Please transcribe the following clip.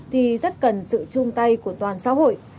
thì rất cần sự chung tay của toàn xã hội